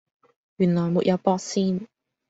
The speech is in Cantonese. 原來沒有駁線